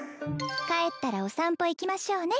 帰ったらお散歩行きましょうね